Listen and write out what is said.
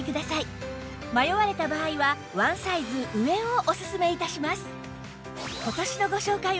迷われた場合はワンサイズ上をおすすめ致します